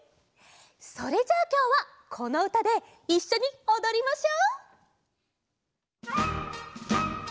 それじゃあきょうはこのうたでいっしょにおどりましょう！